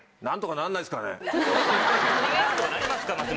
何とかなりますか？